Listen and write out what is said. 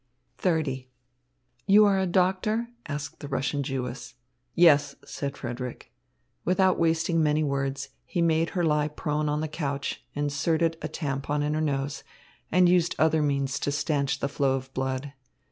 XXX "You are a doctor?" asked the Russian Jewess. "Yes," said Frederick. Without wasting many words, he made her lie prone on the couch, inserted a tampon in her nose, and used other means to stanch the flow of blood.